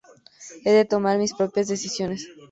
He de tomar mis propias decisiones.